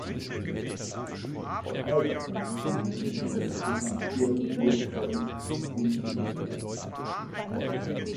Aufzeichnungen über potenziell hohe Breaks sind unbekannt.